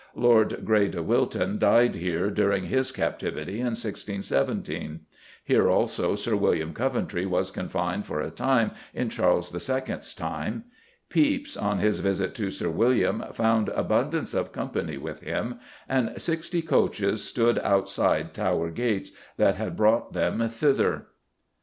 Lord Grey de Wilton died here, during his captivity, in 1617; here, also, Sir William Coventry was confined for a time in Charles II.'s time. Pepys, on his visit to Sir William, found "abundance of company with him," and sixty coaches stood outside Tower gates "that had brought them thither."